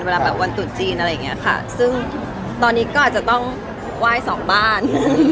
เวลาแบบวันตรุษจีนอะไรอย่างเงี้ยค่ะซึ่งตอนนี้ก็อาจจะต้องไหว้สองบ้าน